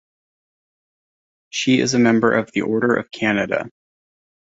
She is a Member of the Order of Canada.